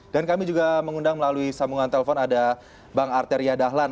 dan kami juga mengundang melalui sambungan telepon ada bang arteria dahlan